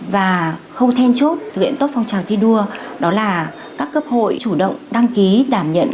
và khâu then chốt thực hiện tốt phong trào thi đua đó là các cấp hội chủ động đăng ký đảm nhận